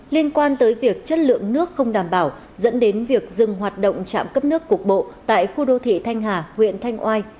liên quan tới việc chất lượng nước không đảm bảo dẫn đến việc dừng hoạt động trạm cấp nước cục bộ tại khu đô thị thanh hà huyện thanh oai